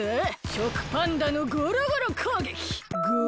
ショクパンダのゴロゴロこうげき！